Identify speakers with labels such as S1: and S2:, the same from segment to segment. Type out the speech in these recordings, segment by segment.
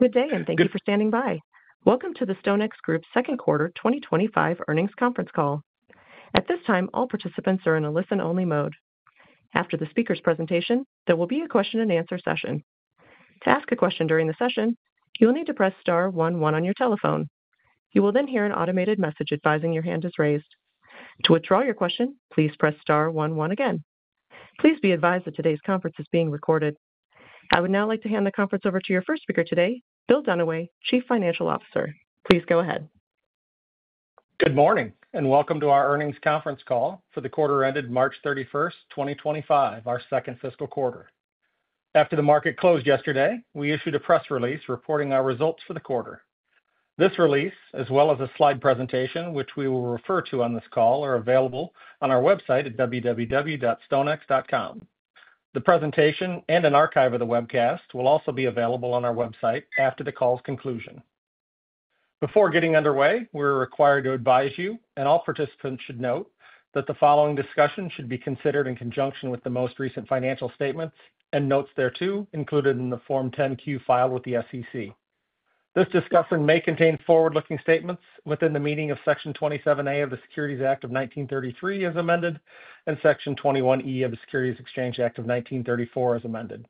S1: Good day, and thank you for standing by. Welcome to the StoneX Group's second quarter 2025 earnings conference call. At this time, all participants are in a listen-only mode. After the speaker's presentation, there will be a question-and-answer session. To ask a question during the session, you'll need to press star one, one on your telephone. You will then hear an automated message advising your hand is raised. To withdraw your question, please press star one, one again. Please be advised that today's conference is being recorded. I would now like to hand the conference over to your first speaker today, Bill Dunaway, Chief Financial Officer. Please go ahead.
S2: Good morning, and welcome to our earnings conference call for the quarter ended March 31, 2025, our second fiscal quarter. After the market closed yesterday, we issued a press release reporting our results for the quarter. This release, as well as a slide presentation which we will refer to on this call, are available on our website at www.stonex.com. The presentation and an archive of the webcast will also be available on our website after the call's conclusion. Before getting underway, we're required to advise you, and all participants should note that the following discussion should be considered in conjunction with the most recent financial statements and notes thereto, included in the Form 10Q filed with the SEC. This discussion may contain forward-looking statements within the meaning of Section 27A of the Securities Act of 1933 as amended, and Section 21E of the Securities Exchange Act of 1934 as amended.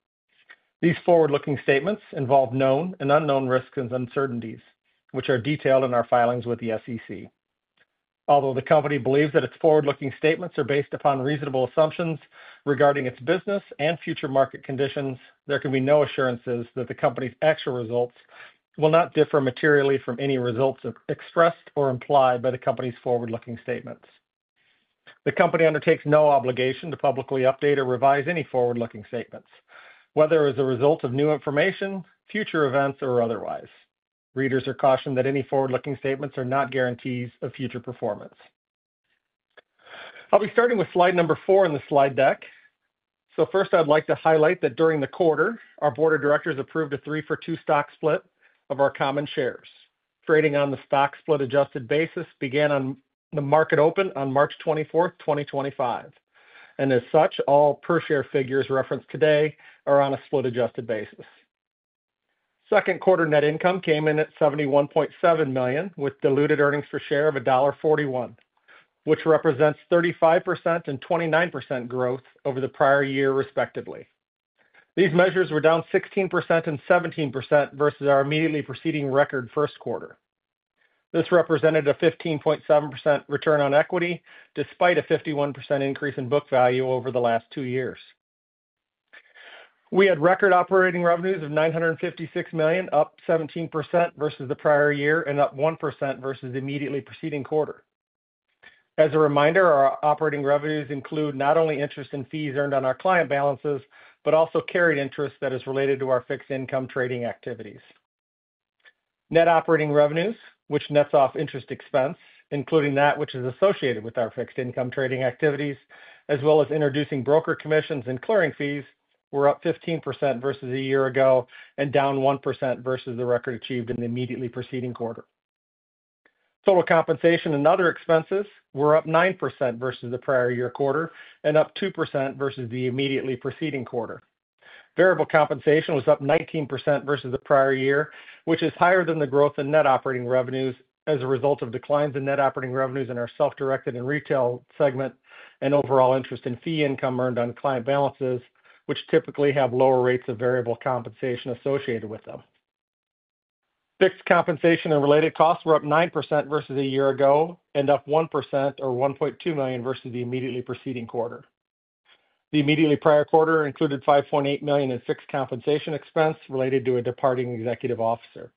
S2: These forward-looking statements involve known and unknown risks and uncertainties, which are detailed in our filings with the SEC. Although the company believes that its forward-looking statements are based upon reasonable assumptions regarding its business and future market conditions, there can be no assurances that the company's actual results will not differ materially from any results expressed or implied by the company's forward-looking statements. The company undertakes no obligation to publicly update or revise any forward-looking statements, whether as a result of new information, future events, or otherwise. Readers are cautioned that any forward-looking statements are not guarantees of future performance. I'll be starting with slide number four in the slide deck. First, I'd like to highlight that during the quarter, our board of directors approved a three-for-two stock split of our common shares. Trading on the stock split-adjusted basis began on the market open on March 24, 2025. As such, all per-share figures referenced today are on a split-adjusted basis. Second quarter net income came in at $71.7 million, with diluted earnings per share of $41, which represents 35% and 29% growth over the prior year, respectively. These measures were down 16% and 17% versus our immediately preceding record first quarter. This represented a 15.7% return on equity, despite a 51% increase in book value over the last two years. We had record operating revenues of $956 million, up 17% versus the prior year and up 1% versus the immediately preceding quarter. As a reminder, our operating revenues include not only interest and fee income on client balances, but also carried interest that is related to our fixed income trading activities. Net operating revenues, which nets off interest expense, including that which is associated with our fixed income trading activities, as well as introducing broker commissions and clearing fees, were up 15% versus a year ago and down 1% versus the record achieved in the immediately preceding quarter. Total compensation and other expenses were up 9% versus the prior year quarter and up 2% versus the immediately preceding quarter. Variable compensation was up 19% versus the prior year, which is higher than the growth in net operating revenues as a result of declines in net operating revenues in our self-directed and retail segment and overall interest and fee income earned on client balances, which typically have lower rates of variable compensation associated with them. Fixed compensation and related costs were up 9% versus a year ago and up 1% or $1.2 million versus the immediately preceding quarter. The immediately prior quarter included $5.8 million in fixed compensation expense related to a departing executive officer.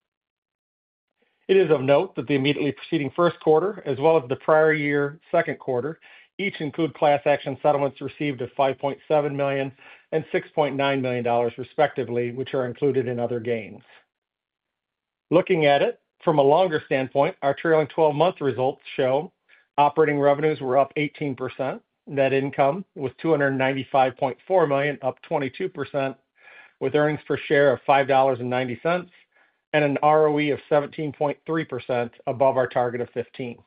S2: It is of note that the immediately preceding first quarter, as well as the prior year second quarter, each include class action settlements received of $5.7 million and $6.9 million, respectively, which are included in other gains. Looking at it from a longer standpoint, our trailing 12-month results show operating revenues were up 18%, net income was $295.4 million, up 22%, with earnings per share of $5.90 and an ROE of 17.3% above our target of 15%.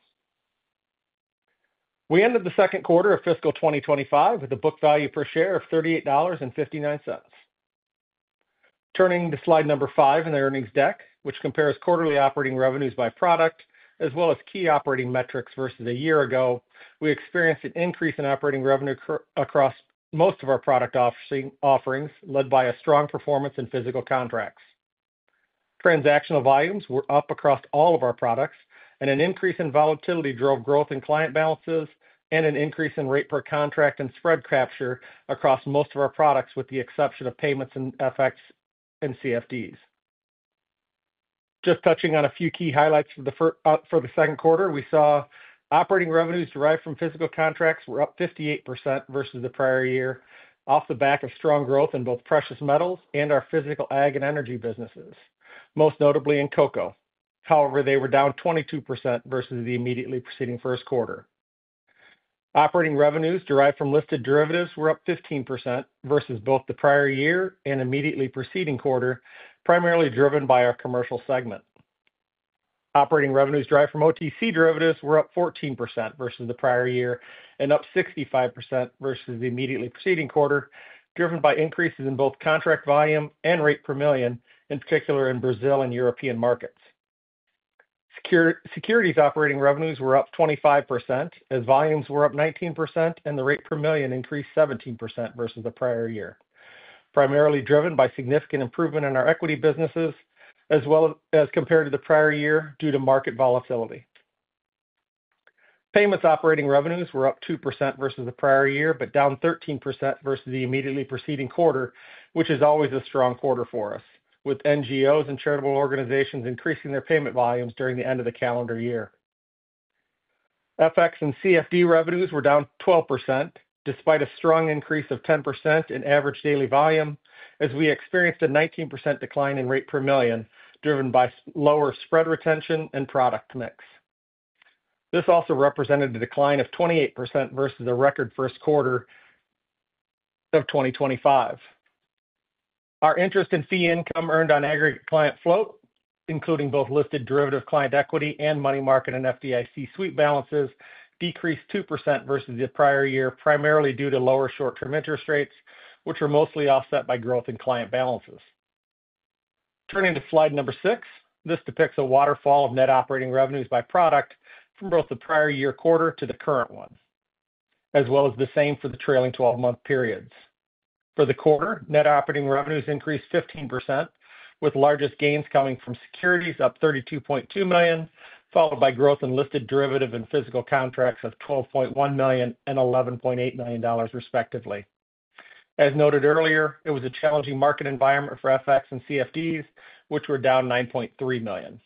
S2: We ended the second quarter of fiscal 2025 with a book value per share of $38.59. Turning to slide number five in the earnings deck, which compares quarterly operating revenues by product as well as key operating metrics versus a year ago, we experienced an increase in operating revenue across most of our product offerings, led by a strong performance in physical contracts. Transactional volumes were up across all of our products, and an increase in volatility drove growth in client balances and an increase in rate per contract and spread capture across most of our products, with the exception of payments and FX and CFDs. Just touching on a few key highlights for the second quarter, we saw operating revenues derived from physical contracts were up 58% versus the prior year, off the back of strong growth in both precious metals and our physical ag and energy businesses, most notably in cocoa. However, they were down 22% versus the immediately preceding first quarter. Operating revenues derived from listed derivatives were up 15% versus both the prior year and immediately preceding quarter, primarily driven by our commercial segment. Operating revenues derived from OTC derivatives were up 14% versus the prior year and up 65% versus the immediately preceding quarter, driven by increases in both contract volume and rate per million, in particular in Brazil and European markets. Securities operating revenues were up 25%, as volumes were up 19%, and the rate per million increased 17% versus the prior year, primarily driven by significant improvement in our equity businesses, as well as compared to the prior year due to market volatility. Payments operating revenues were up 2% versus the prior year, but down 13% versus the immediately preceding quarter, which is always a strong quarter for us, with NGOs and charitable organizations increasing their payment volumes during the end of the calendar year. FX and CFD revenues were down 12%, despite a strong increase of 10% in average daily volume, as we experienced a 19% decline in rate per million, driven by lower spread retention and product mix. This also represented a decline of 28% versus the record first quarter of 2025. Our interest and fee income earned on aggregate client float, including both listed derivative client equity and money market and FDIC sweep balances, decreased 2% versus the prior year, primarily due to lower short-term interest rates, which were mostly offset by growth in client balances. Turning to slide number six, this depicts a waterfall of net operating revenues by product from both the prior year quarter to the current one, as well as the same for the trailing 12-month periods. For the quarter, net operating revenues increased 15%, with largest gains coming from securities, up $32.2 million, followed by growth in listed derivative and physical contracts of $12.1 million and $11.8 million, respectively. As noted earlier, it was a challenging market environment for FX and CFDs, which were down $9.3 million.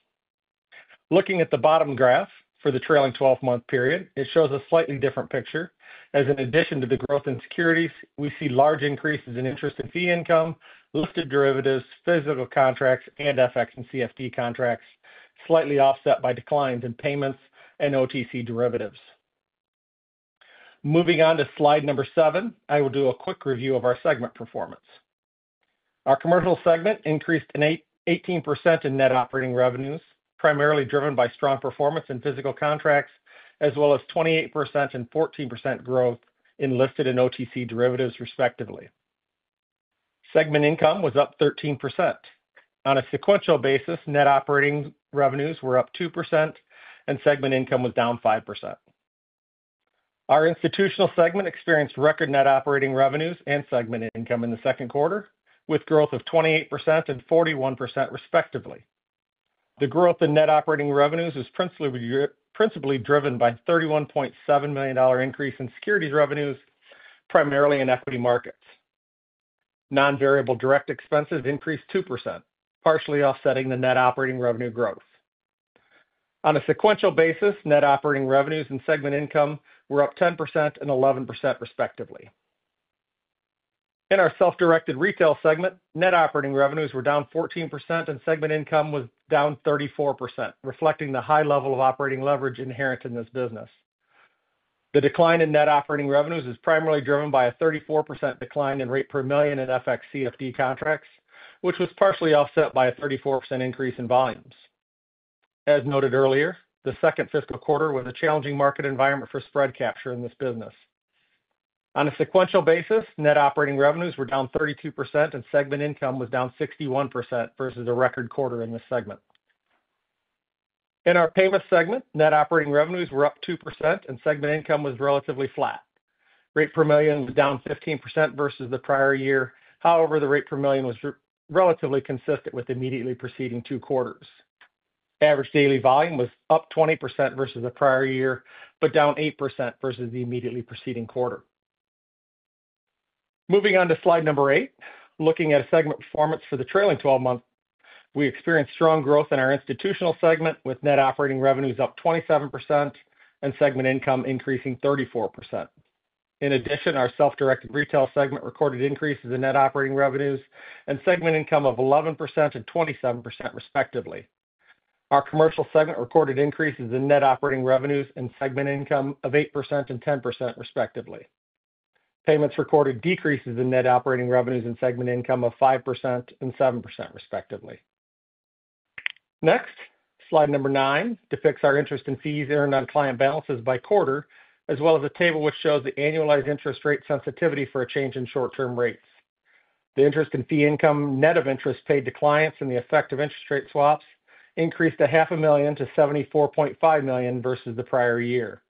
S2: Looking at the bottom graph for the trailing 12-month period, it shows a slightly different picture, as in addition to the growth in securities, we see large increases in interest and fee income, listed derivatives, physical contracts, and FX and CFD contracts, slightly offset by declines in payments and OTC derivatives. Moving on to slide number seven, I will do a quick review of our segment performance. Our commercial segment increased 18% in net operating revenues, primarily driven by strong performance in physical contracts, as well as 28% and 14% growth in listed and OTC derivatives, respectively. Segment income was up 13%. On a sequential basis, net operating revenues were up 2%, and segment income was down 5%. Our institutional segment experienced record net operating revenues and segment income in the second quarter, with growth of 28% and 41%, respectively. The growth in net operating revenues is principally driven by a $31.7 million increase in securities revenues, primarily in equity markets. Non-variable direct expenses increased 2%, partially offsetting the net operating revenue growth. On a sequential basis, net operating revenues and segment income were up 10% and 11%, respectively. In our self-directed retail segment, net operating revenues were down 14%, and segment income was down 34%, reflecting the high level of operating leverage inherent in this business. The decline in net operating revenues is primarily driven by a 34% decline in rate per million in FX CFD contracts, which was partially offset by a 34% increase in volumes. As noted earlier, the second fiscal quarter was a challenging market environment for spread capture in this business. On a sequential basis, net operating revenues were down 32%, and segment income was down 61% versus the record quarter in this segment. In our payments segment, net operating revenues were up 2%, and segment income was relatively flat. Rate per million was down 15% versus the prior year. However, the rate per million was relatively consistent with immediately preceding two quarters. Average daily volume was up 20% versus the prior year, but down 8% versus the immediately preceding quarter. Moving on to slide number eight, looking at segment performance for the trailing 12 months, we experienced strong growth in our institutional segment, with net operating revenues up 27% and segment income increasing 34%. In addition, our self-directed retail segment recorded increases in net operating revenues and segment income of 11% and 27%, respectively. Our commercial segment recorded increases in net operating revenues and segment income of 8% and 10%, respectively. Payments recorded decreases in net operating revenues and segment income of 5% and 7%, respectively. Next, slide number nine depicts our interest and fee income on client balances by quarter, as well as a table which shows the annualized interest rate sensitivity for a change in short-term rates. The interest and fee income net of interest paid to clients and the effect of interest rate swaps increased $500,000 to $74.5 million versus the prior year.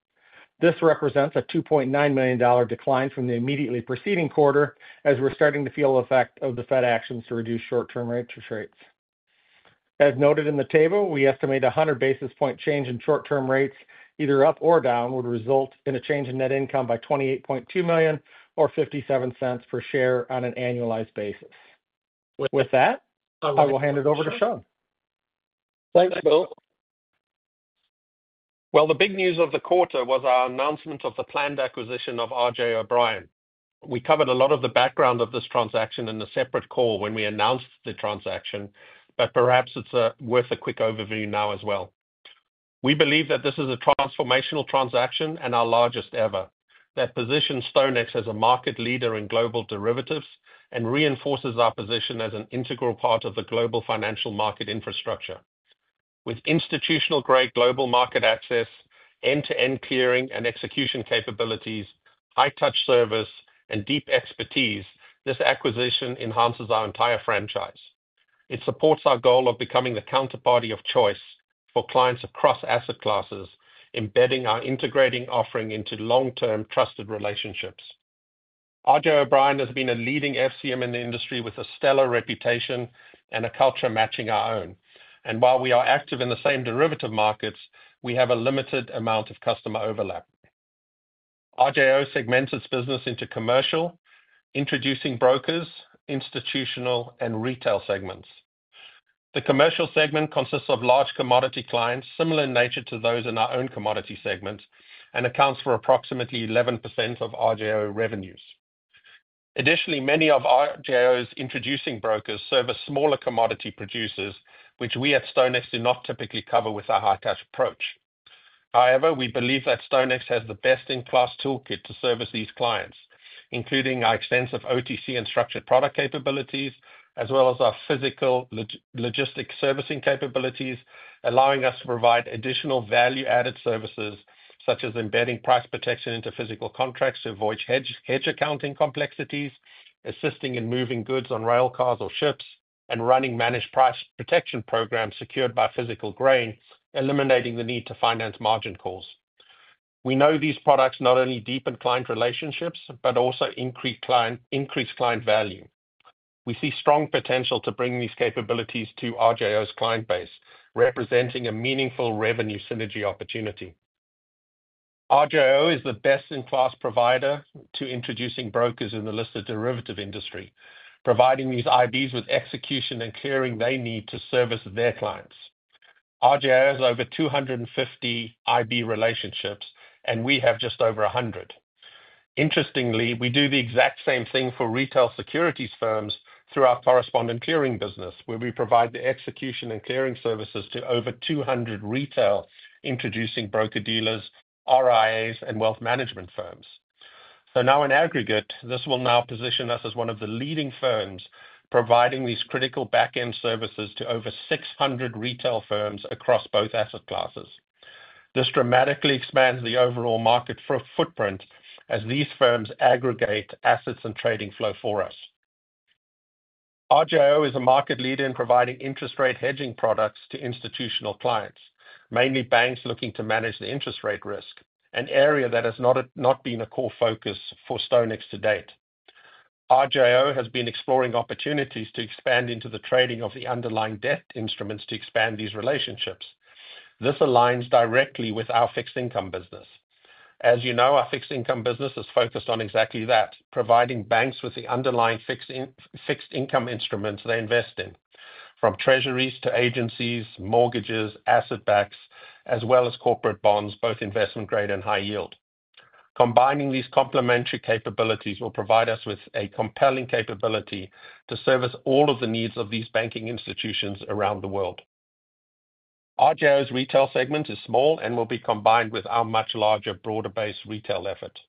S2: This represents a $2.9 million decline from the immediately preceding quarter, as we're starting to feel the effect of the Fed actions to reduce short-term interest rates. As noted in the table, we estimate a 100 basis point change in short-term rates, either up or down, would result in a change in net income by $28.2 million or $0.57 per share on an annualized basis. With that, I will hand it over to Sean.
S3: Thanks, Bill. The big news of the quarter was our announcement of the planned acquisition of R.J. O'Brien. We covered a lot of the background of this transaction in a separate call when we announced the transaction, but perhaps it's worth a quick overview now as well. We believe that this is a transformational transaction and our largest ever. That positions StoneX as a market leader in global derivatives and reinforces our position as an integral part of the global financial market infrastructure. With institutional-grade global market access, end-to-end clearing and execution capabilities, high-touch service, and deep expertise, this acquisition enhances our entire franchise. It supports our goal of becoming the counterparty of choice for clients across asset classes, embedding our integrating offering into long-term trusted relationships. R.J. O'Brien has been a leading FCM in the industry with a stellar reputation and a culture matching our own. While we are active in the same derivative markets, we have a limited amount of customer overlap. R.J.O. segments its business into commercial, introducing brokers, institutional, and retail segments. The commercial segment consists of large commodity clients, similar in nature to those in our own commodity segments, and accounts for approximately 11% of R.J.O. revenues. Additionally, many of R.J. O'Brien's introducing brokers serve smaller commodity producers, which we at StoneX do not typically cover with our high-touch approach. However, we believe that StoneX has the best-in-class toolkit to service these clients, including our extensive OTC and structured product capabilities, as well as our physical logistic servicing capabilities, allowing us to provide additional value-added services such as embedding price protection into physical contracts to avoid hedge accounting complexities, assisting in moving goods on railcars or ships, and running managed price protection programs secured by physical grain, eliminating the need to finance margin calls. We know these products not only deepen client relationships, but also increase client value. We see strong potential to bring these capabilities to R.J. O'Brien's client base, representing a meaningful revenue synergy opportunity. R.J. O'Brien is the best-in-class provider to introducing brokers in the listed derivative industry, providing these IBs with execution and clearing they need to service their clients. R.J. O'Brien has over 250 IB relationships, and we have just over 100. Interestingly, we do the exact same thing for retail securities firms through our correspondent clearing business, where we provide the execution and clearing services to over 200 retail introducing broker dealers, RIAs, and wealth management firms. Now, in aggregate, this will now position us as one of the leading firms providing these critical back-end services to over 600 retail firms across both asset classes. This dramatically expands the overall market footprint as these firms aggregate assets and trading flow for us. R.J. O'Brien is a market leader in providing interest rate hedging products to institutional clients, mainly banks looking to manage the interest rate risk, an area that has not been a core focus for StoneX to date. R.J. O'Brien has been exploring opportunities to expand into the trading of the underlying debt instruments to expand these relationships. This aligns directly with our fixed income business. As you know, our fixed income business is focused on exactly that, providing banks with the underlying fixed income instruments they invest in, from treasuries to agencies, mortgages, asset-backs, as well as corporate bonds, both investment-grade and high-yield. Combining these complementary capabilities will provide us with a compelling capability to service all of the needs of these banking institutions around the world. R.J. O'Brien's retail segment is small and will be combined with our much larger, broader-based retail effort.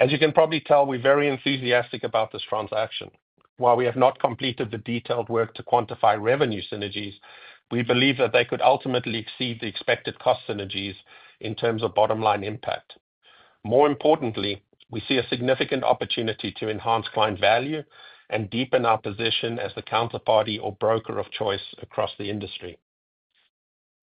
S3: As you can probably tell, we're very enthusiastic about this transaction. While we have not completed the detailed work to quantify revenue synergies, we believe that they could ultimately exceed the expected cost synergies in terms of bottom-line impact. More importantly, we see a significant opportunity to enhance client value and deepen our position as the counterparty or broker of choice across the industry.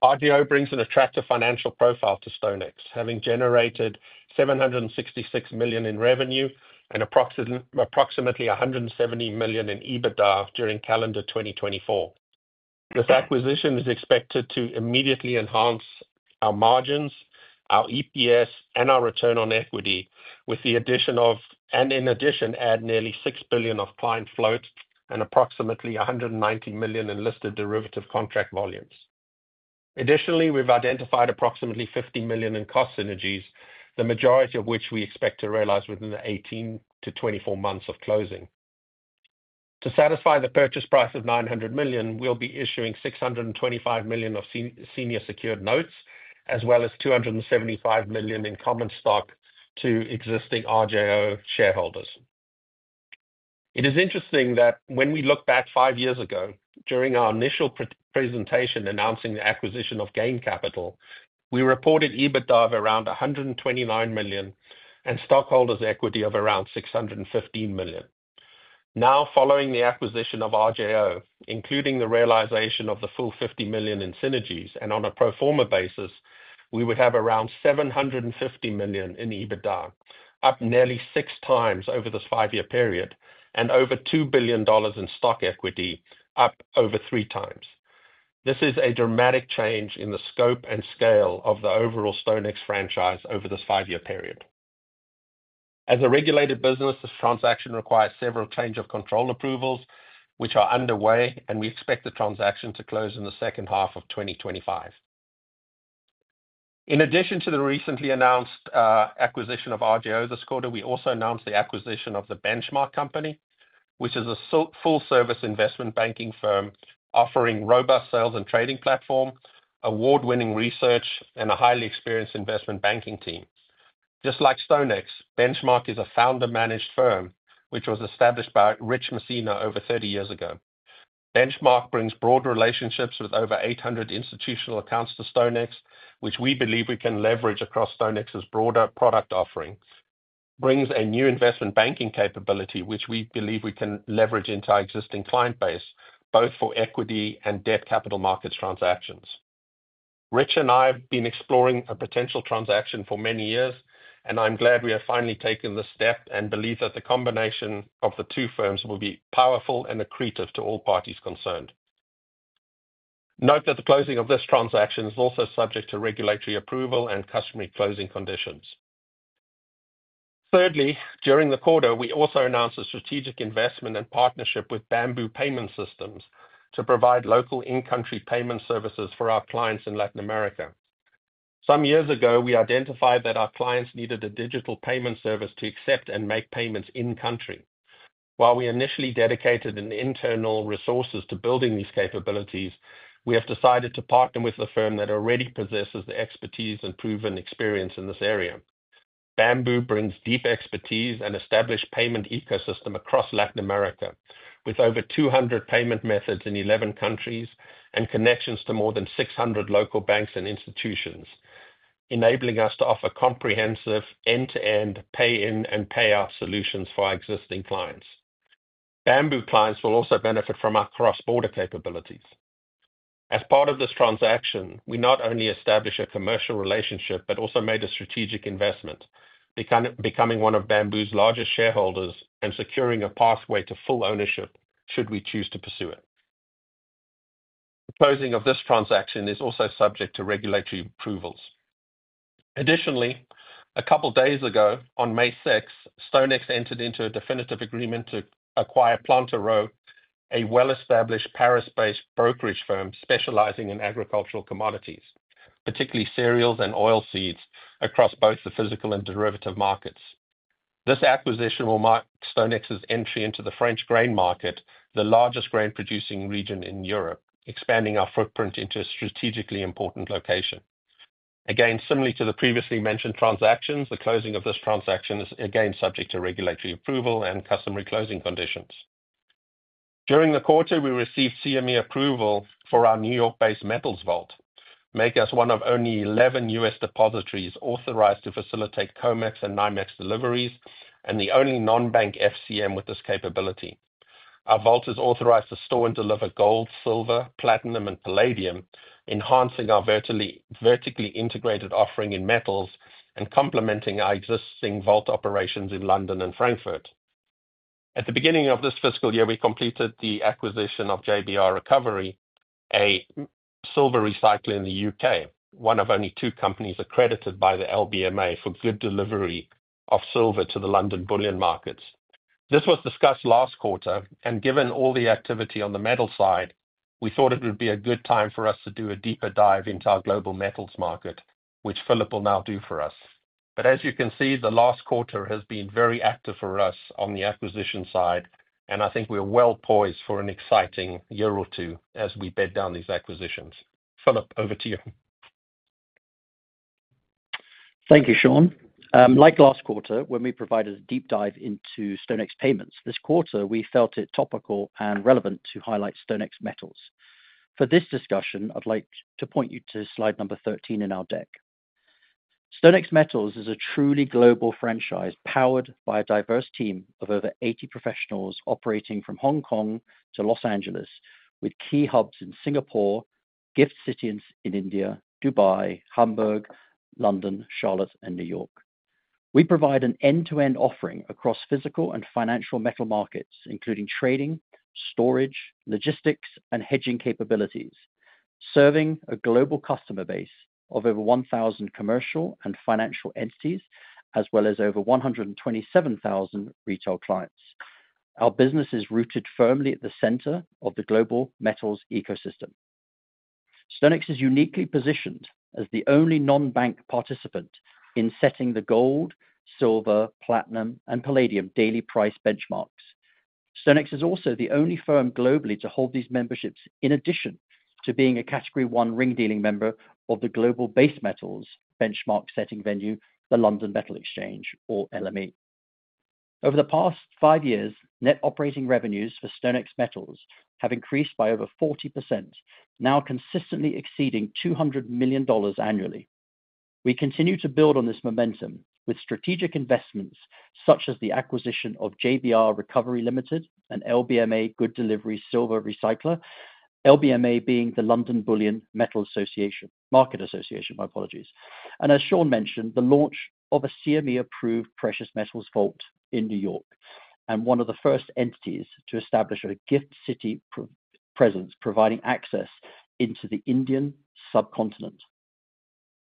S3: R.J. O'Brien brings an attractive financial profile to StoneX, having generated $766 million in revenue and approximately $170 million in EBITDA during calendar 2024. This acquisition is expected to immediately enhance our margins, our EPS, and our return on equity, and in addition, add nearly $6 billion of client float and approximately $190 million in listed derivative contract volumes. Additionally, we've identified approximately $50 million in cost synergies, the majority of which we expect to realize within the 18-24 months of closing. To satisfy the purchase price of $900 million, we'll be issuing $625 million of senior secured notes, as well as $275 million in common stock to existing R.J. O'Brien shareholders. It is interesting that when we look back five years ago, during our initial presentation announcing the acquisition of Gain Capital, we reported EBITDA of around $129 million and stockholders' equity of around $615 million. Now, following the acquisition of R.J. O'Brien, including the realization of the full $50 million in synergies and on a pro forma basis, we would have around $750 million in EBITDA, up nearly six times over this five-year period, and over $2 billion in stock equity, up over three times. This is a dramatic change in the scope and scale of the overall StoneX franchise over this five-year period. As a regulated business, this transaction requires several change-of-control approvals, which are underway, and we expect the transaction to close in the second half of 2025. In addition to the recently announced acquisition of R.J. O'Brien & Associates this quarter, we also announced the acquisition of The Benchmark Company, which is a full-service investment banking firm offering robust sales and trading platform, award-winning research, and a highly experienced investment banking team. Just like StoneX, Benchmark is a founder-managed firm, which was established by Rich Messina over 30 years ago. Benchmark brings broad relationships with over 800 institutional accounts to StoneX, which we believe we can leverage across StoneX's broader product offering. It brings a new investment banking capability, which we believe we can leverage into our existing client base, both for equity and debt capital markets transactions. Rich and I have been exploring a potential transaction for many years, and I'm glad we have finally taken this step and believe that the combination of the two firms will be powerful and accretive to all parties concerned. Note that the closing of this transaction is also subject to regulatory approval and customary closing conditions. Thirdly, during the quarter, we also announced a strategic investment and partnership with Bamboo Payment Systems to provide local in-country payment services for our clients in Latin America. Some years ago, we identified that our clients needed a digital payment service to accept and make payments in-country. While we initially dedicated internal resources to building these capabilities, we have decided to partner with the firm that already possesses the expertise and proven experience in this area. Bamboo brings deep expertise and established payment ecosystem across Latin America, with over 200 payment methods in 11 countries and connections to more than 600 local banks and institutions, enabling us to offer comprehensive end-to-end pay-in and pay-out solutions for our existing clients. Bamboo clients will also benefit from our cross-border capabilities. As part of this transaction, we not only established a commercial relationship but also made a strategic investment, becoming one of Bamboo's largest shareholders and securing a pathway to full ownership should we choose to pursue it. The closing of this transaction is also subject to regulatory approvals. Additionally, a couple of days ago, on May 6, StoneX entered into a definitive agreement to acquire Plantureux et Associés, a well-established Paris-based brokerage firm specializing in agricultural commodities, particularly cereals and oilseeds, across both the physical and derivative markets. This acquisition will mark StoneX's entry into the French grain market, the largest grain-producing region in Europe, expanding our footprint into a strategically important location. Again, similarly to the previously mentioned transactions, the closing of this transaction is again subject to regulatory approval and customary closing conditions. During the quarter, we received CME approval for our New York-based metals vault, making us one of only 11 US depositories authorized to facilitate COMEX and NYMEX deliveries and the only non-bank FCM with this capability. Our vault is authorized to store and deliver gold, silver, platinum, and palladium, enhancing our vertically integrated offering in metals and complementing our existing vault operations in London and Frankfurt. At the beginning of this fiscal year, we completed the acquisition of JBR Recovery, a silver recycler in the U.K., one of only two companies accredited by the LBMA for good delivery of silver to the London bullion markets. This was discussed last quarter, and given all the activity on the metal side, we thought it would be a good time for us to do a deeper dive into our global metals market, which Philip will now do for us. As you can see, the last quarter has been very active for us on the acquisition side, and I think we're well poised for an exciting year or two as we bed down these acquisitions. Philip, over to you.
S4: Thank you, Sean. Like last quarter, when we provided a deep dive into StoneX payments, this quarter, we felt it topical and relevant to highlight StoneX Metals. For this discussion, I'd like to point you to slide number 13 in our deck. StoneX Metals is a truly global franchise powered by a diverse team of over 80 professionals operating from Hong Kong to Los Angeles, with key hubs in Singapore, Gift City in India, Dubai, Hamburg, London, Charlotte, and New York. We provide an end-to-end offering across physical and financial metal markets, including trading, storage, logistics, and hedging capabilities, serving a global customer base of over 1,000 commercial and financial entities, as well as over 127,000 retail clients. Our business is rooted firmly at the center of the global metals ecosystem. StoneX is uniquely positioned as the only non-bank participant in setting the gold, silver, platinum, and palladium daily price benchmarks. StoneX is also the only firm globally to hold these memberships in addition to being a category one ring dealing member of the global base metals benchmark setting venue, the London Metal Exchange, or LME. Over the past five years, net operating revenues for StoneX Metals have increased by over 40%, now consistently exceeding $200 million annually. We continue to build on this momentum with strategic investments such as the acquisition of JBR Recovery and LBMA Good Delivery Silver Recycler, LBMA being the London Bullion Market Association, market association, my apologies. As Sean mentioned, the launch of a CME-approved precious metals vault in New York, and one of the first entities to establish a Gift City presence providing access into the Indian subcontinent.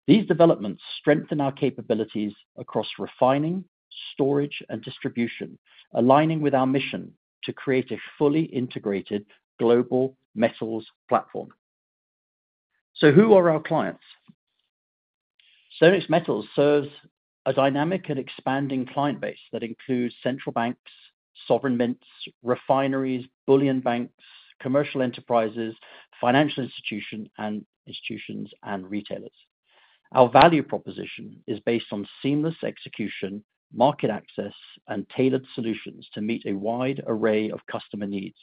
S4: These developments strengthen our capabilities across refining, storage, and distribution, aligning with our mission to create a fully integrated global metals platform. Who are our clients? StoneX Metals serves a dynamic and expanding client base that includes central banks, sovereign mints, refineries, bullion banks, commercial enterprises, financial institutions, and retailers. Our value proposition is based on seamless execution, market access, and tailored solutions to meet a wide array of customer needs.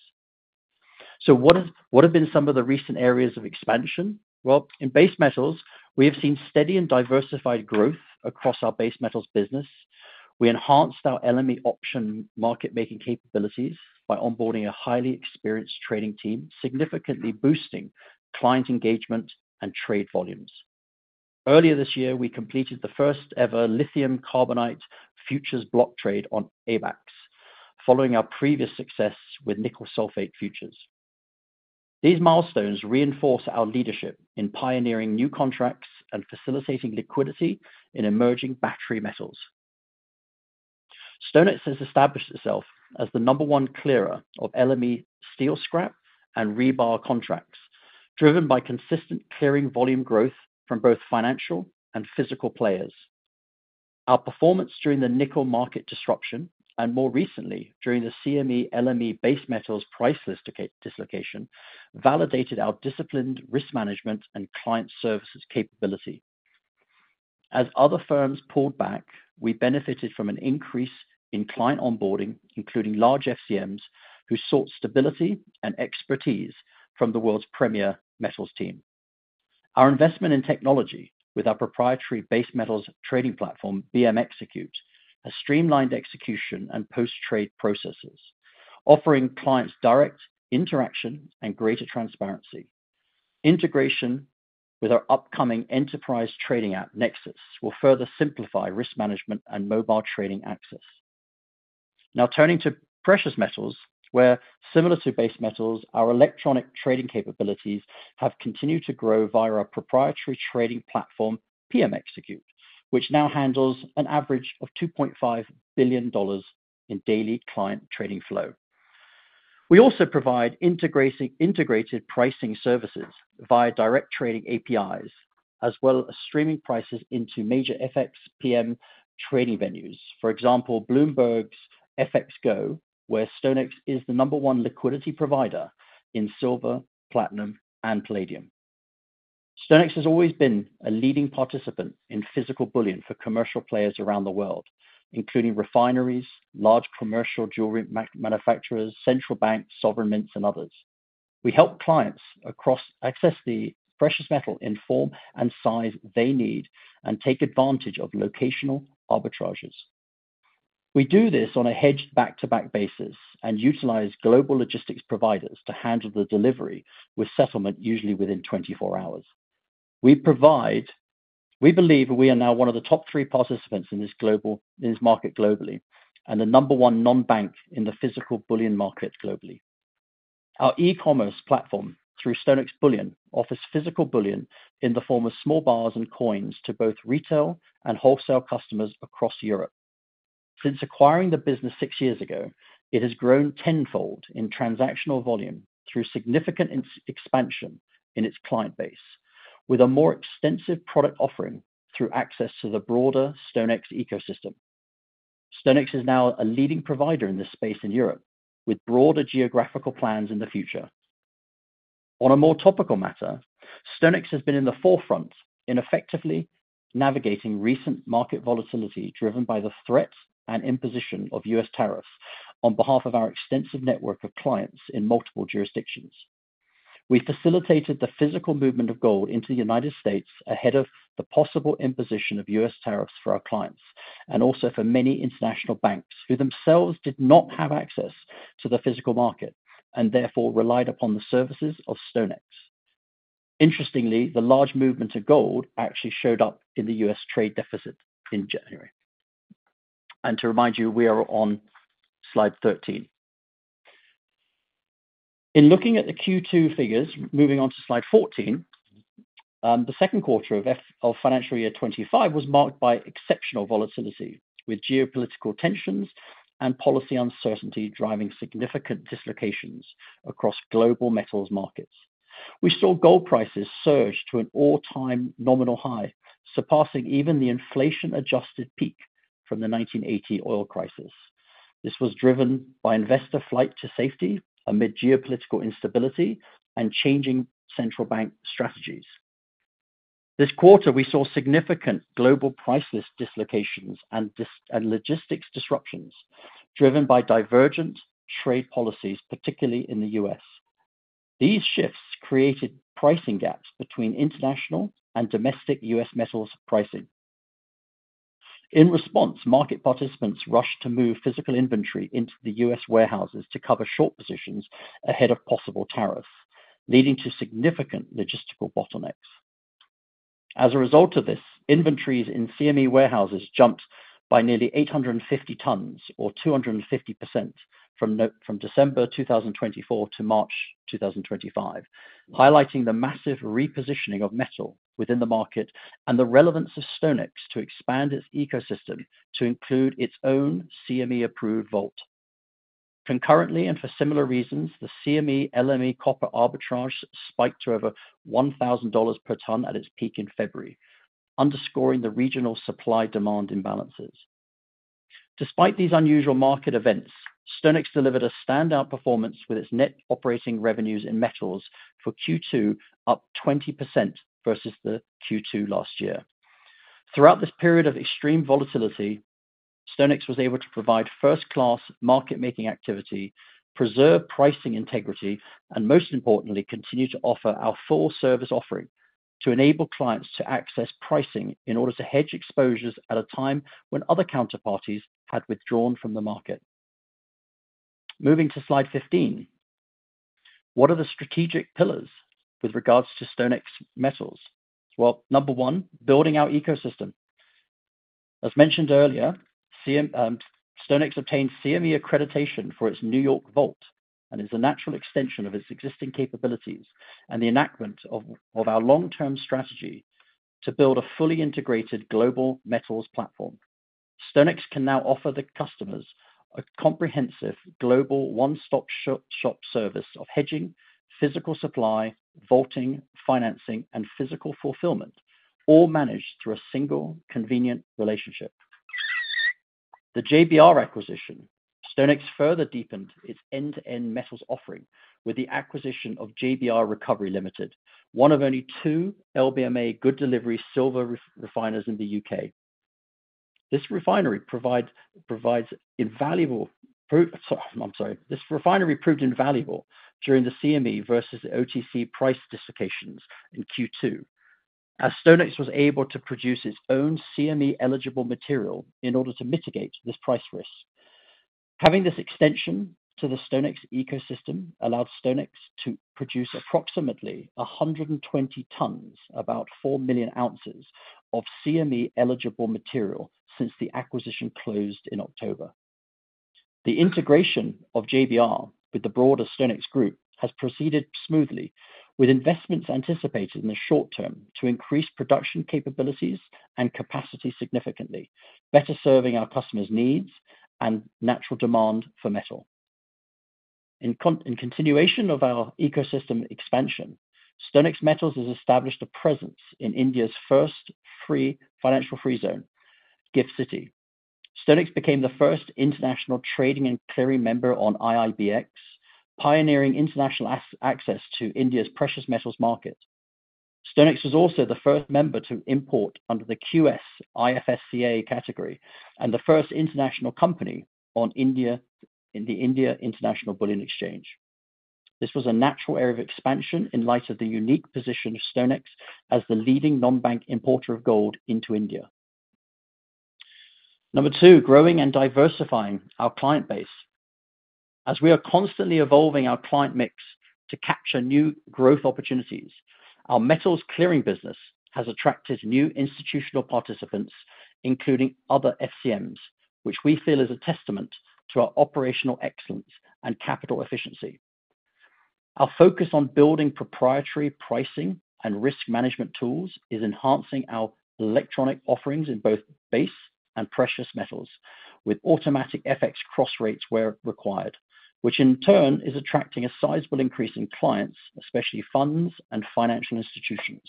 S4: What have been some of the recent areas of expansion? In base metals, we have seen steady and diversified growth across our base metals business. We enhanced our LME option market-making capabilities by onboarding a highly experienced trading team, significantly boosting client engagement and trade volumes. Earlier this year, we completed the first-ever lithium carbonate futures block trade on ABAXx Exchange, following our previous success with nickel sulfate futures. These milestones reinforce our leadership in pioneering new contracts and facilitating liquidity in emerging battery metals. StoneX has established itself as the number one clearer of LME steel scrap and rebar contracts, driven by consistent clearing volume growth from both financial and physical players. Our performance during the nickel market disruption and more recently during the CME LME base metals price dislocation validated our disciplined risk management and client services capability. As other firms pulled back, we benefited from an increase in client onboarding, including large FCMs who sought stability and expertise from the world's premier metals team. Our investment in technology with our proprietary base metals trading platform, BM Execute, has streamlined execution and post-trade processes, offering clients direct interaction and greater transparency. Integration with our upcoming enterprise trading app, Nexus, will further simplify risk management and mobile trading access. Now turning to precious metals, where similar to base metals, our electronic trading capabilities have continued to grow via our proprietary trading platform, PM Execute, which now handles an average of $2.5 billion in daily client trading flow. We also provide integrated pricing services via direct trading APIs, as well as streaming prices into major FXPM trading venues, for example, Bloomberg's FXGo, where StoneX is the number one liquidity provider in silver, platinum, and palladium. StoneX has always been a leading participant in physical bullion for commercial players around the world, including refineries, large commercial jewelry manufacturers, central banks, sovereign mints, and others. We help clients access the precious metal in form and size they need and take advantage of locational arbitrages. We do this on a hedged back-to-back basis and utilize global logistics providers to handle the delivery with settlement usually within 24 hours. We believe we are now one of the top three participants in this market globally and the number one non-bank in the physical bullion market globally. Our e-commerce platform through StoneX Bullion offers physical bullion in the form of small bars and coins to both retail and wholesale customers across Europe. Since acquiring the business six years ago, it has grown tenfold in transactional volume through significant expansion in its client base, with a more extensive product offering through access to the broader StoneX ecosystem. StoneX is now a leading provider in this space in Europe, with broader geographical plans in the future. On a more topical matter, StoneX has been in the forefront in effectively navigating recent market volatility driven by the threat and imposition of U.S. tariffs on behalf of our extensive network of clients in multiple jurisdictions. We facilitated the physical movement of gold into the United States ahead of the possible imposition of U.S. tariffs for our clients and also for many international banks who themselves did not have access to the physical market and therefore relied upon the services of StoneX. Interestingly, the large movement of gold actually showed up in the U.S. trade deficit in January. To remind you, we are on slide 13. In looking at the Q2 figures, moving on to slide 14, the second quarter of financial year 2025 was marked by exceptional volatility, with geopolitical tensions and policy uncertainty driving significant dislocations across global metals markets. We saw gold prices surge to an all-time nominal high, surpassing even the inflation-adjusted peak from the 1980 oil crisis. This was driven by investor flight to safety amid geopolitical instability and changing central bank strategies. This quarter, we saw significant global price dislocations and logistics disruptions driven by divergent trade policies, particularly in the U.S. These shifts created pricing gaps between international and domestic U.S. metals pricing. In response, market participants rushed to move physical inventory into the U.S. warehouses to cover short positions ahead of possible tariffs, leading to significant logistical bottlenecks. As a result of this, inventories in CME warehouses jumped by nearly 850 tons, or 250%, from December 2024 to March 2025, highlighting the massive repositioning of metal within the market and the relevance of StoneX to expand its ecosystem to include its own CME-approved vault. Concurrently and for similar reasons, the CME LME copper arbitrage spiked to over $1,000 per ton at its peak in February, underscoring the regional supply-demand imbalances. Despite these unusual market events, StoneX delivered a standout performance with its net operating revenues in metals for Q2, up 20% versus Q2 last year. Throughout this period of extreme volatility, StoneX was able to provide first-class market-making activity, preserve pricing integrity, and most importantly, continue to offer our full service offering to enable clients to access pricing in order to hedge exposures at a time when other counterparties had withdrawn from the market. Moving to slide 15, what are the strategic pillars with regards to StoneX Metals? Number one, building our ecosystem. As mentioned earlier, StoneX obtained CME accreditation for its New York vault and is a natural extension of its existing capabilities and the enactment of our long-term strategy to build a fully integrated global metals platform. StoneX can now offer the customers a comprehensive global one-stop-shop service of hedging, physical supply, vaulting, financing, and physical fulfillment, all managed through a single convenient relationship. With the JBR acquisition, StoneX further deepened its end-to-end metals offering with the acquisition of JBR Recovery, one of only two LBMA Good Delivery silver refiners in the U.K. This refinery proved invaluable during the CME versus OTC price dislocations in Q2, as StoneX was able to produce its own CME-eligible material in order to mitigate this price risk. Having this extension to the StoneX ecosystem allowed StoneX to produce approximately 120 tons, about 4 million ounces, of CME-eligible material since the acquisition closed in October. The integration of JBR with the broader StoneX Group has proceeded smoothly, with investments anticipated in the short term to increase production capabilities and capacity significantly, better serving our customers' needs and natural demand for metal. In continuation of our ecosystem expansion, StoneX Metals has established a presence in India's first financial free zone, Gift City. StoneX became the first international trading and clearing member on IIBX, pioneering international access to India's precious metals market. StoneX was also the first member to import under the QS IFSCA category and the first international company on the India International Bullion Exchange. This was a natural area of expansion in light of the unique position of StoneX as the leading non-bank importer of gold into India. Number two, growing and diversifying our client base. As we are constantly evolving our client mix to capture new growth opportunities, our metals clearing business has attracted new institutional participants, including other FCMs, which we feel is a testament to our operational excellence and capital efficiency. Our focus on building proprietary pricing and risk management tools is enhancing our electronic offerings in both base and precious metals with automatic FX cross rates where required, which in turn is attracting a sizable increase in clients, especially funds and financial institutions.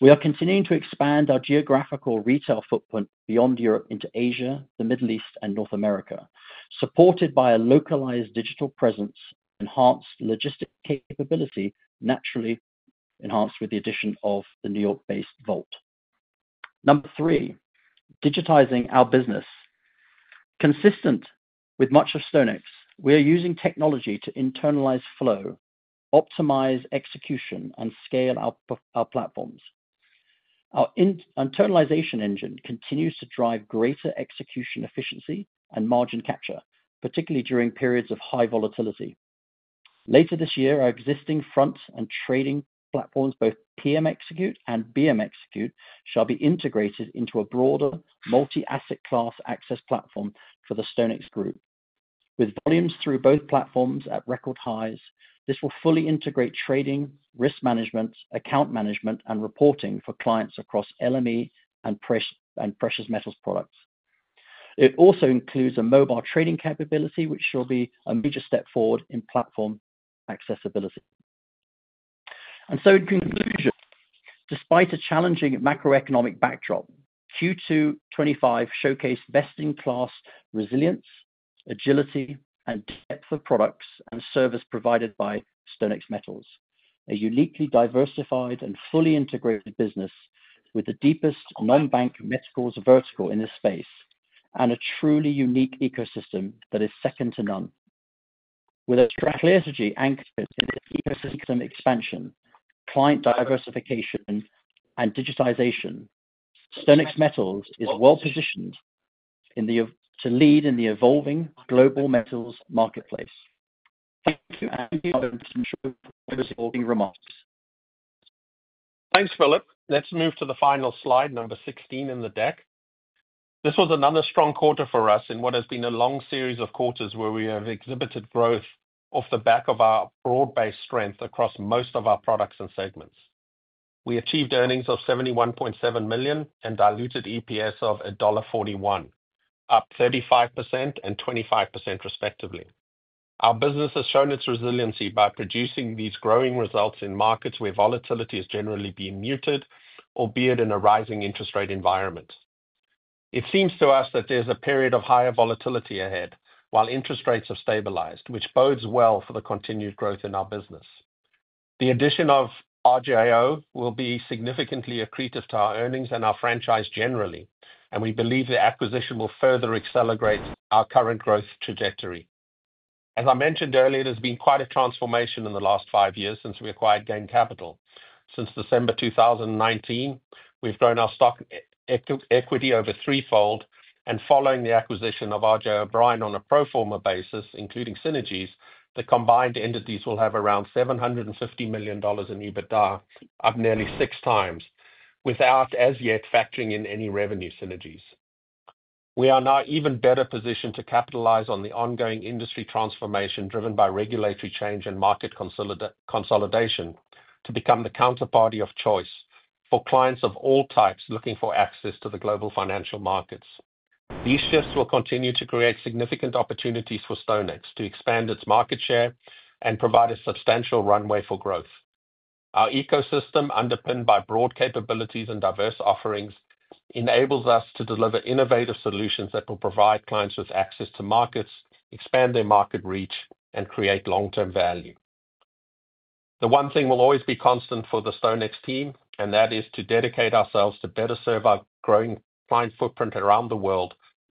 S4: We are continuing to expand our geographical retail footprint beyond Europe into Asia, the Middle East, and North America, supported by a localized digital presence, enhanced logistic capability, naturally enhanced with the addition of the New York-based vault. Number three, digitizing our business. Consistent with much of StoneX, we are using technology to internalize flow, optimize execution, and scale our platforms. Our internalization engine continues to drive greater execution efficiency and margin capture, particularly during periods of high volatility. Later this year, our existing front and trading platforms, both PM Execute and BM Execute, shall be integrated into a broader multi-asset class access platform for the StoneX Group. With volumes through both platforms at record highs, this will fully integrate trading, risk management, account management, and reporting for clients across LME and precious metals products. It also includes a mobile trading capability, which shall be a major step forward in platform accessibility. In conclusion, despite a challenging macroeconomic backdrop, Q2 2025 showcased best-in-class resilience, agility, and depth of products and service provided by StoneX Metals, a uniquely diversified and fully integrated business with the deepest non-bank metals vertical in this space and a truly unique ecosystem that is second to none. With a strategy anchored in ecosystem expansion, client diversification, and digitization, StoneX Metals is well positioned to lead in the evolving global metals marketplace. (Thank you, Andrew, for those evolving remarks.)
S3: Thanks, Philip. Let's move to the final slide, number 16 in the deck. This was another strong quarter for us in what has been a long series of quarters where we have exhibited growth off the back of our broad-based strength across most of our products and segments. We achieved earnings of $71.7 million and diluted EPS of $41, up 35% and 25%, respectively. Our business has shown its resiliency by producing these growing results in markets where volatility has generally been muted, albeit in a rising interest rate environment. It seems to us that there's a period of higher volatility ahead while interest rates have stabilized, which bodes well for the continued growth in our business. The addition of R.J. O'Brien will be significantly accretive to our earnings and our franchise generally, and we believe the acquisition will further accelerate our current growth trajectory. As I mentioned earlier, there's been quite a transformation in the last five years since we acquired Gain Capital. Since December 2019, we've grown our stock equity over threefold, and following the acquisition of R.J. O'Brien on a pro forma basis, including synergies, the combined entities will have around $750 million in EBITDA, up nearly six times, without as yet factoring in any revenue synergies. We are now even better positioned to capitalize on the ongoing industry transformation driven by regulatory change and market consolidation to become the counterparty of choice for clients of all types looking for access to the global financial markets. These shifts will continue to create significant opportunities for StoneX to expand its market share and provide a substantial runway for growth. Our ecosystem, underpinned by broad capabilities and diverse offerings, enables us to deliver innovative solutions that will provide clients with access to markets, expand their market reach, and create long-term value. The one thing will always be constant for the StoneX team, and that is to dedicate ourselves to better serve our growing client footprint around the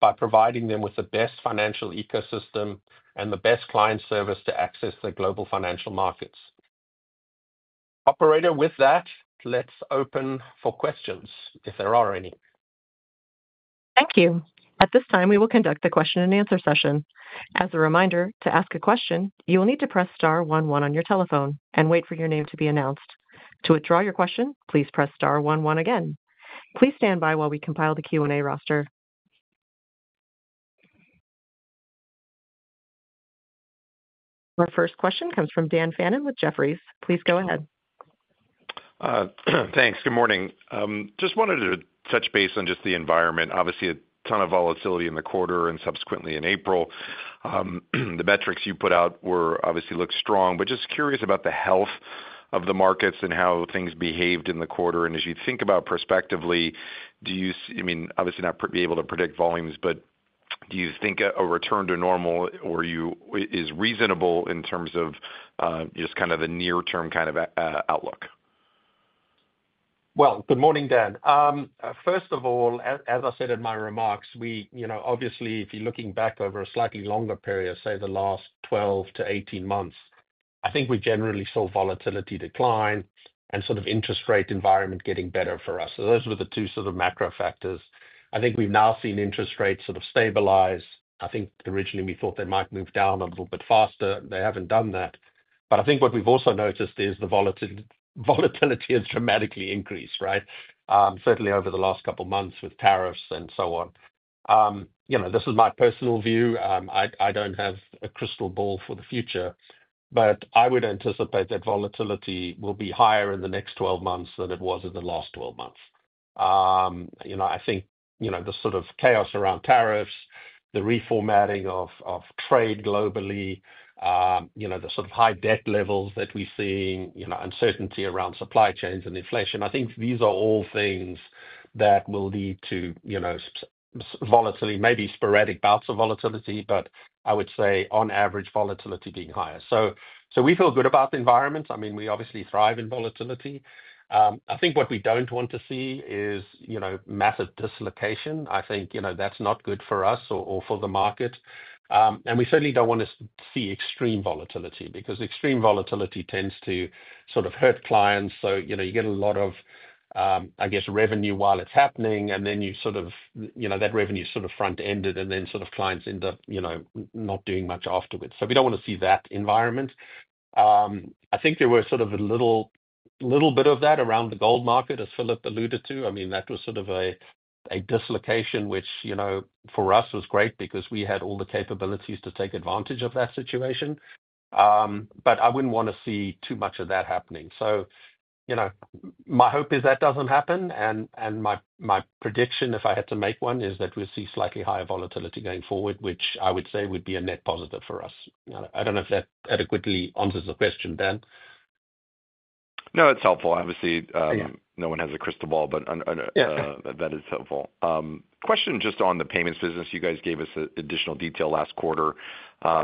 S3: world by providing them with the best financial ecosystem and the best client service to access the global financial markets. Operator, with that, let's open for questions if there are any.
S1: Thank you. At this time, we will conduct the question-and-answer session. As a reminder, to ask a question, you will need to press star one, one on your telephone and wait for your name to be announced. To withdraw your question, please press star one, one again. Please stand by while we compile the Q&A roster. Our first question comes from Dan Fannon with Jefferies. Please go ahead.
S5: Thanks. Good morning. Just wanted to touch base on just the environment. Obviously, a ton of volatility in the quarter and subsequently in April. The metrics you put out obviously look strong, but just curious about the health of the markets and how things behaved in the quarter. And as you think about prospectively, do you—I mean, obviously not be able to predict volumes, but do you think a return to normal is reasonable in terms of just kind of the near-term kind of outlook?
S3: Good morning, Dan. First of all, as I said in my remarks, obviously, if you're looking back over a slightly longer period, say the last 12 to 18 months, I think we generally saw volatility decline and sort of interest rate environment getting better for us. Those were the two sort of macro factors. I think we've now seen interest rates sort of stabilize. I think originally we thought they might move down a little bit faster. They haven't done that. What we've also noticed is the volatility has dramatically increased, right? Certainly over the last couple of months with tariffs and so on. This is my personal view. I don't have a crystal ball for the future, but I would anticipate that volatility will be higher in the next 12 months than it was in the last 12 months. I think the sort of chaos around tariffs, the reformatting of trade globally, the sort of high debt levels that we're seeing, uncertainty around supply chains and inflation, I think these are all things that will lead to volatility, maybe sporadic bouts of volatility, but I would say on average, volatility being higher. We feel good about the environment. I mean, we obviously thrive in volatility.I think what we don't want to see is massive dislocation. I think that's not good for us or for the market. We certainly don't want to see extreme volatility because extreme volatility tends to sort of hurt clients. You get a lot of, I guess, revenue while it's happening, and then that revenue is sort of front-ended, and then clients end up not doing much afterwards. We don't want to see that environment. I think there was sort of a little bit of that around the gold market, as Philip alluded to. I mean, that was sort of a dislocation, which for us was great because we had all the capabilities to take advantage of that situation. I would not want to see too much of that happening. My hope is that does not happen. My prediction, if I had to make one, is that we will see slightly higher volatility going forward, which I would say would be a net positive for us. I do not know if that adequately answers the question, Dan.
S5: No, it is helpful. Obviously, no one has a crystal ball, but that is helpful. Question just on the payments business. You guys gave us additional detail last quarter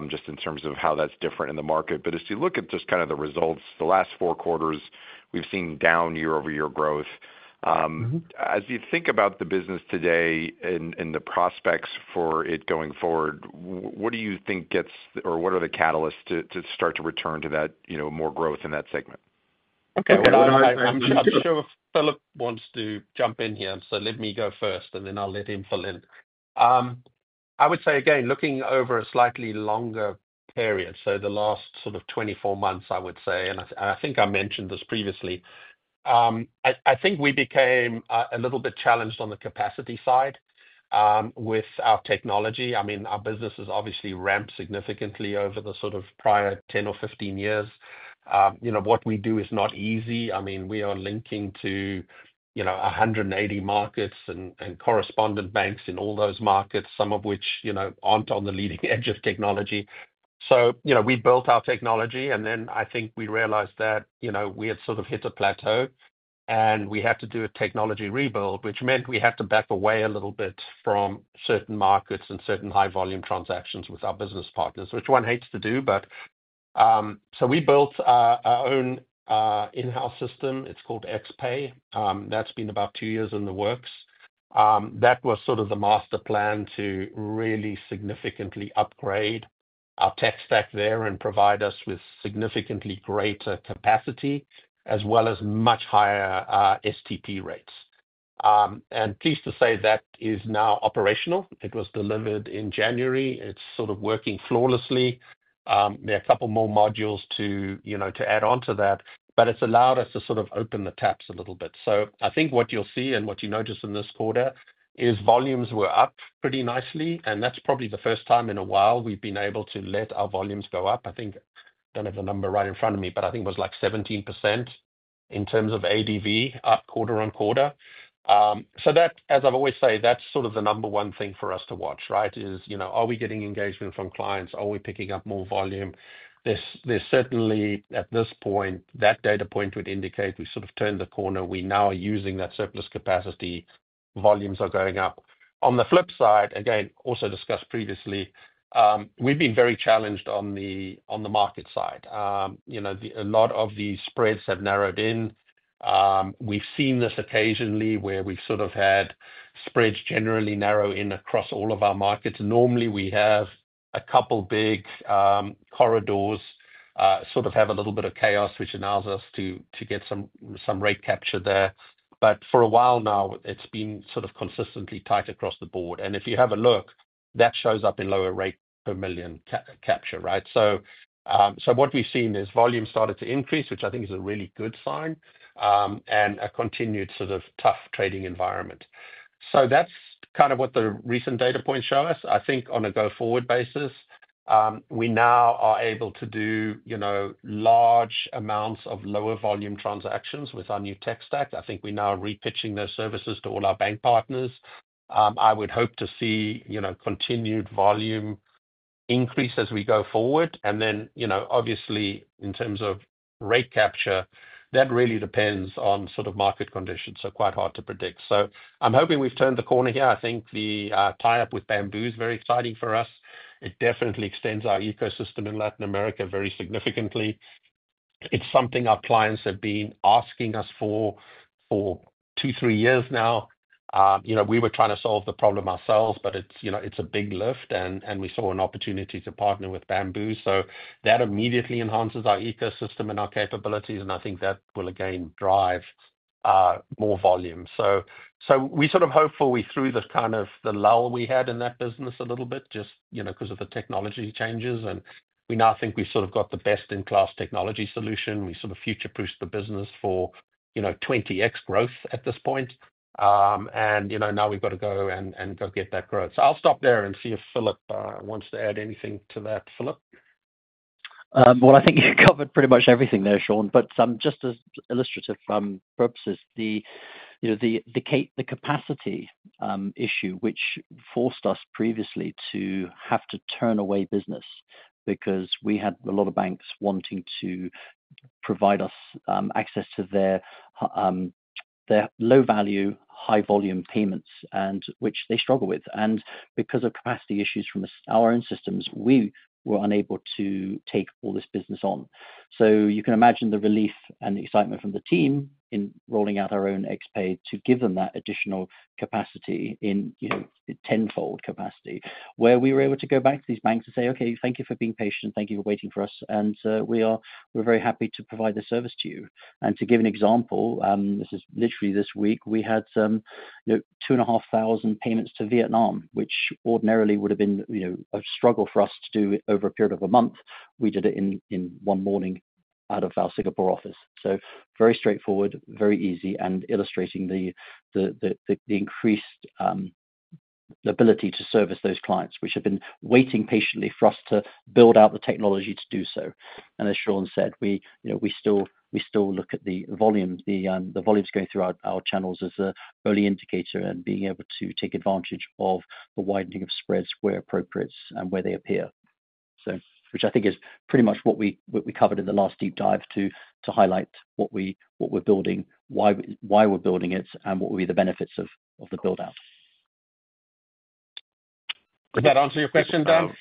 S5: just in terms of how that is different in the market. As you look at just kind of the results, the last four quarters, we've seen down year-over-year growth. As you think about the business today and the prospects for it going forward, what do you think gets—or what are the catalysts to start to return to that more growth in that segment? Okay.
S3: I'm sure Philip wants to jump in here, so let me go first, and then I'll let him fill in. I would say, again, looking over a slightly longer period, so the last sort of 24 months, I would say, and I think I mentioned this previously, I think we became a little bit challenged on the capacity side with our technology. I mean, our business has obviously ramped significantly over the sort of prior 10 or 15 years. What we do is not easy. I mean, we are linking to 180 markets and correspondent banks in all those markets, some of which aren't on the leading edge of technology. So we built our technology, and then I think we realized that we had sort of hit a plateau, and we had to do a technology rebuild, which meant we had to back away a little bit from certain markets and certain high-volume transactions with our business partners, which one hates to do. So we built our own in-house system. It's called XPay. That's been about two years in the works. That was sort of the master plan to really significantly upgrade our tech stack there and provide us with significantly greater capacity as well as much higher STP rates. And pleased to say that is now operational. It was delivered in January. It's sort of working flawlessly. There are a couple more modules to add on to that, but it's allowed us to sort of open the taps a little bit. I think what you'll see and what you notice in this quarter is volumes were up pretty nicely, and that's probably the first time in a while we've been able to let our volumes go up. I don't have the number right in front of me, but I think it was like 17% in terms of ADV up quarter on quarter. As I've always said, that's sort of the number one thing for us to watch, right? Are we getting engagement from clients? Are we picking up more volume? There's certainly, at this point, that data point would indicate we sort of turned the corner. We now are using that surplus capacity. Volumes are going up. On the flip side, again, also discussed previously, we've been very challenged on the market side. A lot of the spreads have narrowed in. We've seen this occasionally where we've sort of had spreads generally narrow in across all of our markets. Normally, we have a couple big corridors sort of have a little bit of chaos, which allows us to get some rate capture there. For a while now, it's been sort of consistently tight across the board. If you have a look, that shows up in lower rate per million capture, right? What we've seen is volume started to increase, which I think is a really good sign, and a continued sort of tough trading environment. That's kind of what the recent data points show us. I think on a go-forward basis, we now are able to do large amounts of lower volume transactions with our new tech stack. I think we're now repitching those services to all our bank partners. I would hope to see continued volume increase as we go forward. Obviously, in terms of rate capture, that really depends on sort of market conditions, so quite hard to predict. I'm hoping we've turned the corner here. I think the tie-up with Bamboo is very exciting for us. It definitely extends our ecosystem in Latin America very significantly. It's something our clients have been asking us for for two, three years now. We were trying to solve the problem ourselves, but it's a big lift, and we saw an opportunity to partner with Bamboo. That immediately enhances our ecosystem and our capabilities, and I think that will, again, drive more volume. We sort of hopefully threw the kind of the lull we had in that business a little bit just because of the technology changes, and we now think we've sort of got the best-in-class technology solution. We sort of future-proofed the business for 20x growth at this point, and now we've got to go and go get that growth. I'll stop there and see if Philip wants to add anything to that, Philip.
S4: I think you covered pretty much everything there, Sean, but just as illustrative purposes, the capacity issue which forced us previously to have to turn away business because we had a lot of banks wanting to provide us access to their low-value, high-volume payments, which they struggle with. Because of capacity issues from our own systems, we were unable to take all this business on. You can imagine the relief and excitement from the team in rolling out our own XPay to give them that additional capacity in tenfold capacity, where we were able to go back to these banks and say, "Okay, thank you for being patient. Thank you for waiting for us. And we're very happy to provide the service to you." To give an example, this is literally this week, we had 2,500 payments to Vietnam, which ordinarily would have been a struggle for us to do over a period of a month. We did it in one morning out of our Singapore office. Very straightforward, very easy, and illustrating the increased ability to service those clients, which have been waiting patiently for us to build out the technology to do so. As Sean said, we still look at the volumes. The volumes going through our channels is an early indicator and being able to take advantage of the widening of spreads where appropriate and where they appear, which I think is pretty much what we covered in the last deep dive to highlight what we're building, why we're building it, and what will be the benefits of the build-out.
S2: Does that answer your question, Dan?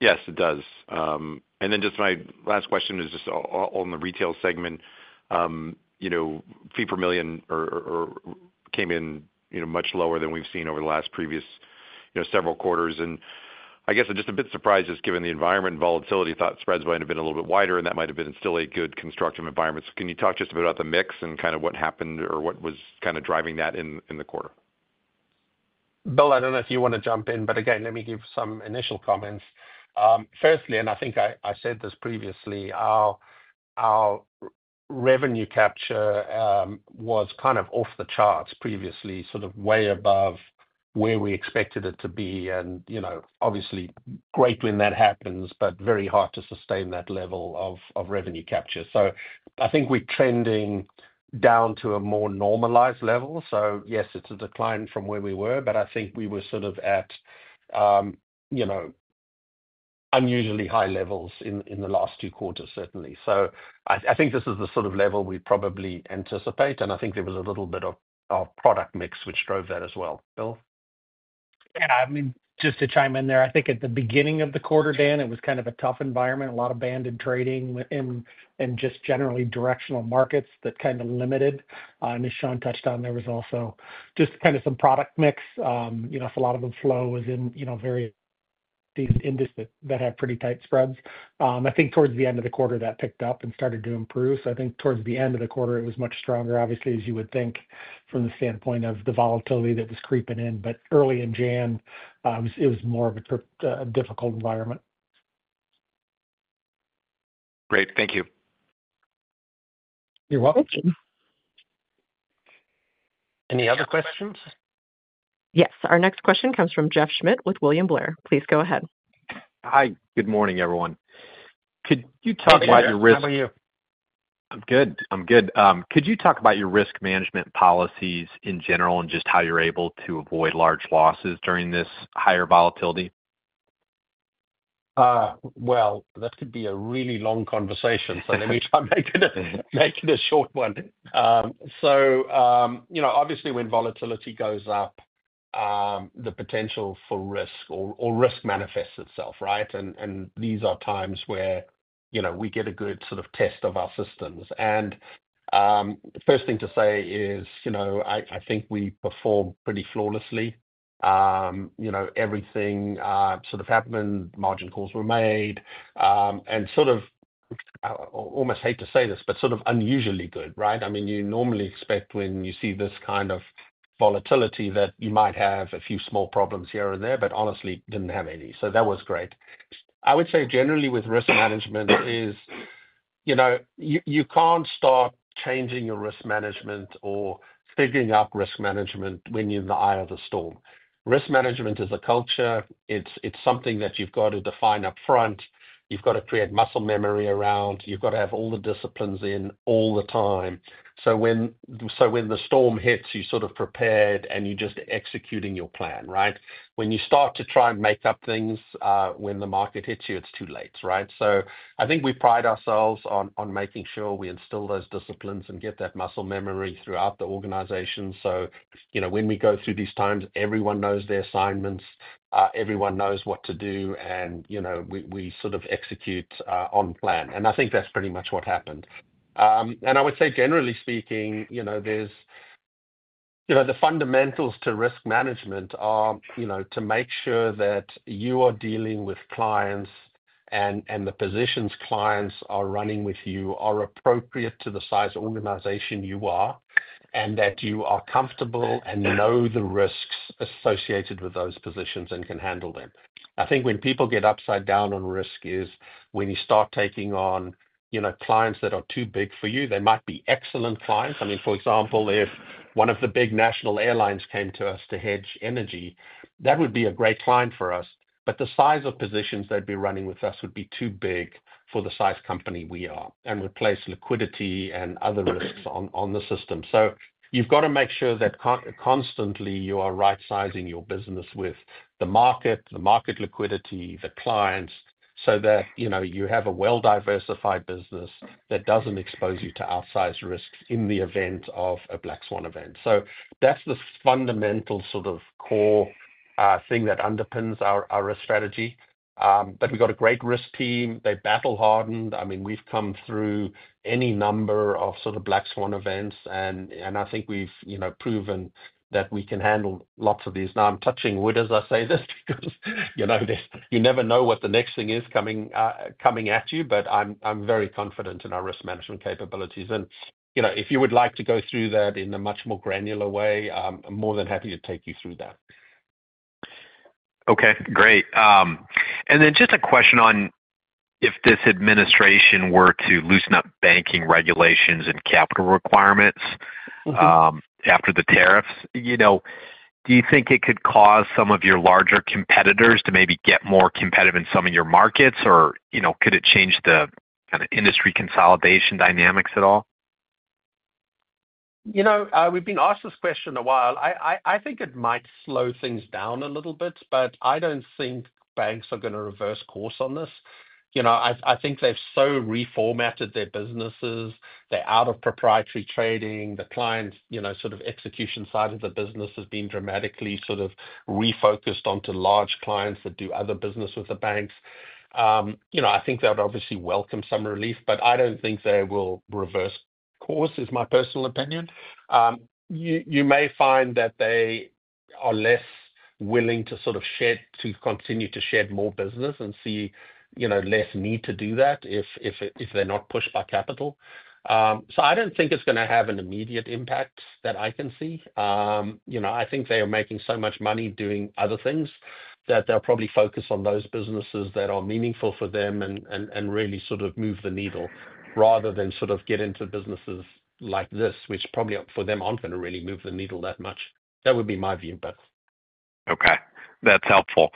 S5: Yes, it does. My last question is just on the retail segment. Fee per million came in much lower than we've seen over the last previous several quarters. I guess I'm just a bit surprised just given the environment and volatility. I thought spreads might have been a little bit wider, and that might have been still a good constructive environment. Can you talk just a bit about the mix and kind of what happened or what was kind of driving that in the quarter?
S3: Bill, I don't know if you want to jump in, but again, let me give some initial comments. Firstly, and I think I said this previously, our revenue capture was kind of off the charts previously, sort of way above where we expected it to be. Obviously, great when that happens, but very hard to sustain that level of revenue capture. I think we're trending down to a more normalized level. Yes, it's a decline from where we were, but I think we were sort of at unusually high levels in the last two quarters, certainly. I think this is the sort of level we probably anticipate, and I think there was a little bit of product mix which drove that as well. Bill?
S2: Yeah. I mean, just to chime in there, I think at the beginning of the quarter, Dan, it was kind of a tough environment, a lot of banded trading and just generally directional markets that kind of limited. As Sean touched on, there was also just kind of some product mix. A lot of the flow was in various indices that had pretty tight spreads. I think towards the end of the quarter, that picked up and started to improve. I think towards the end of the quarter, it was much stronger, obviously, as you would think from the standpoint of the volatility that was creeping in. Early in January, it was more of a difficult environment.
S5: Great. Thank you.
S2: You're welcome. Any other questions?
S1: Yes. Our next question comes from Jeff Schmitt with William Blair. Please go ahead.
S6: Hi. Good morning, everyone. Could you talk about your risk?
S3: Hey, Jeff. How are you?
S6: I'm good. I'm good. Could you talk about your risk management policies in general and just how you're able to avoid large losses during this higher volatility?
S3: That could be a really long conversation, so let me try making a short one. Obviously, when volatility goes up, the potential for risk or risk manifests itself, right? These are times where we get a good sort of test of our systems. The first thing to say is I think we perform pretty flawlessly. Everything sort of happened, margin calls were made, and sort of almost hate to say this, but sort of unusually good, right? I mean, you normally expect when you see this kind of volatility that you might have a few small problems here or there, but honestly, didn't have any. That was great. I would say generally with risk management is you can't start changing your risk management or figuring out risk management when you're in the eye of the storm. Risk management is a culture. It's something that you've got to define upfront. You've got to create muscle memory around. You've got to have all the disciplines in all the time. When the storm hits, you're sort of prepared, and you're just executing your plan, right? When you start to try and make up things when the market hits you, it's too late, right? I think we pride ourselves on making sure we instill those disciplines and get that muscle memory throughout the organization. When we go through these times, everyone knows their assignments. Everyone knows what to do, and we sort of execute on plan. I think that's pretty much what happened. I would say, generally speaking, the fundamentals to risk management are to make sure that you are dealing with clients and the positions clients are running with you are appropriate to the size organization you are and that you are comfortable and know the risks associated with those positions and can handle them. I think when people get upside down on risk is when you start taking on clients that are too big for you. They might be excellent clients. I mean, for example, if one of the big national airlines came to us to hedge energy, that would be a great client for us. But the size of positions they'd be running with us would be too big for the size company we are and would place liquidity and other risks on the system. You have got to make sure that constantly you are right-sizing your business with the market, the market liquidity, the clients, so that you have a well-diversified business that does not expose you to outsized risks in the event of a black swan event. That is the fundamental sort of core thing that underpins our risk strategy. We have got a great risk team. They are battle-hardened. I mean, we have come through any number of sort of black swan events, and I think we have proven that we can handle lots of these. Now, I am touching wood as I say this because you never know what the next thing is coming at you, but I am very confident in our risk management capabilities. If you would like to go through that in a much more granular way, I'm more than happy to take you through that.
S6: Okay. Great. Just a question on if this administration were to loosen up banking regulations and capital requirements after the tariffs, do you think it could cause some of your larger competitors to maybe get more competitive in some of your markets, or could it change the kind of industry consolidation dynamics at all?
S3: We've been asked this question a while. I think it might slow things down a little bit, but I don't think banks are going to reverse course on this. I think they've so reformatted their businesses. They're out of proprietary trading. The client sort of execution side of the business has been dramatically sort of refocused onto large clients that do other business with the banks. I think that would obviously welcome some relief, but I don't think they will reverse course, is my personal opinion. You may find that they are less willing to sort of continue to shed more business and see less need to do that if they're not pushed by capital. I don't think it's going to have an immediate impact that I can see. I think they are making so much money doing other things that they'll probably focus on those businesses that are meaningful for them and really sort of move the needle rather than sort of get into businesses like this, which probably for them aren't going to really move the needle that much. That would be my view, but.
S6: Okay. That's helpful.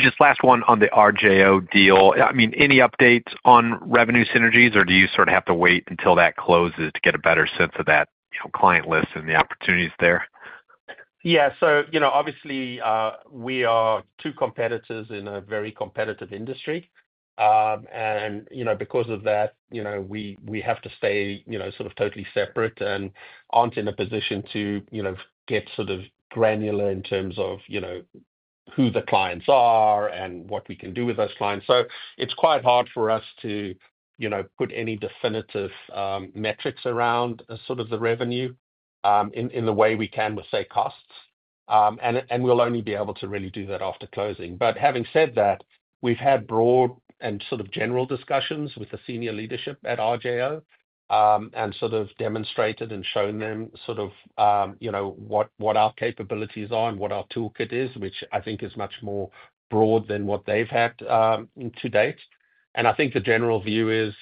S6: Just last one on the RJO deal. I mean, any updates on revenue synergies, or do you sort of have to wait until that closes to get a better sense of that client list and the opportunities there?
S3: Yeah. Obviously, we are two competitors in a very competitive industry. Because of that, we have to stay sort of totally separate and are not in a position to get sort of granular in terms of who the clients are and what we can do with those clients. It is quite hard for us to put any definitive metrics around sort of the revenue in the way we can with, say, costs. We will only be able to really do that after closing. Having said that, we've had broad and sort of general discussions with the senior leadership at R.J. O'Brien & Associates and sort of demonstrated and shown them sort of what our capabilities are and what our toolkit is, which I think is much more broad than what they've had to date. I think the general view is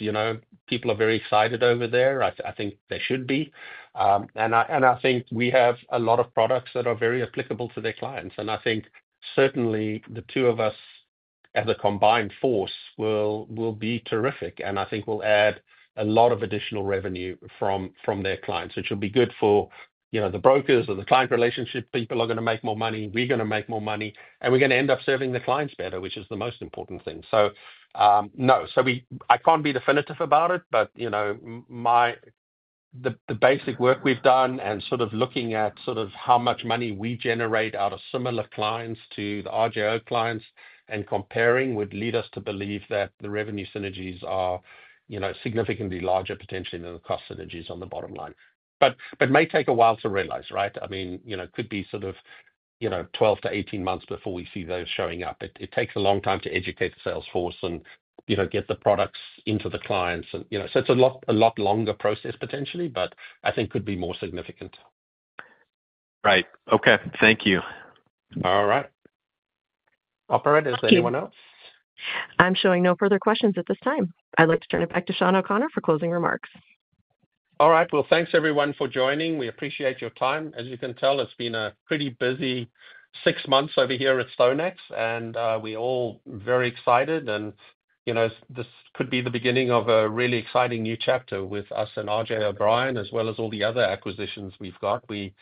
S3: people are very excited over there. I think they should be. I think we have a lot of products that are very applicable to their clients. I think certainly the two of us as a combined force will be terrific. I think we'll add a lot of additional revenue from their clients, which will be good for the brokers and the client relationship. People are going to make more money. We're going to make more money. We're going to end up serving the clients better, which is the most important thing. No, I can't be definitive about it, but the basic work we've done and sort of looking at how much money we generate out of similar clients to the R.J. O'Brien clients and comparing would lead us to believe that the revenue synergies are significantly larger, potentially, than the cost synergies on the bottom line. It may take a while to realize, right? I mean, it could be 12-18 months before we see those showing up. It takes a long time to educate the salesforce and get the products into the clients. It's a lot longer process, potentially, but I think could be more significant.
S6: Right. Okay. Thank you. All right.
S3: Operators, anyone else?
S1: I'm showing no further questions at this time. I'd like to turn it back to Sean O'Connor for closing remarks.
S3: All right. Thanks, everyone, for joining. We appreciate your time. As you can tell, it's been a pretty busy six months over here at StoneX, and we're all very excited. This could be the beginning of a really exciting new chapter with us and R.J. O'Brien, as well as all the other acquisitions we've got. We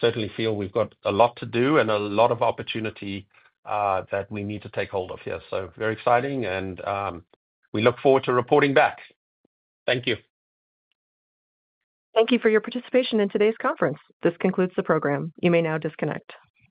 S3: certainly feel we've got a lot to do and a lot of opportunity that we need to take hold of here. Very exciting, and we look forward to reporting back. Thank you. Thank you for your participation in today's conference. This concludes the program. You may now disconnect.